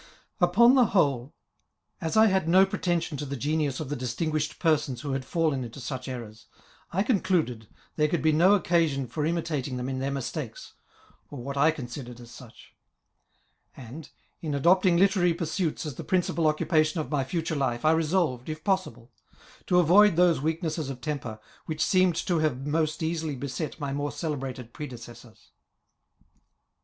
Upon ih« whole, as I had no pretension to the genius of the distinguished persons who had fidlen into such errors, I concluded there could be no occasion for imi tating them in their mistakes, or what I considered as such ; and, in adopting literary pursuits as the principal »ccupation of my future life, I resolved, if possible, to jivoid those weaknesses of temper which seemed to have most easily beset my more celebrated predecessors.